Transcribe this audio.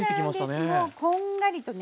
もうこんがりとね